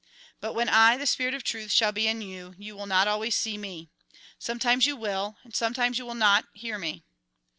" But when I, the spirit of truth, shall be in you, you will not always see me. Sometimes you will, and sometimes you will not, hear me.''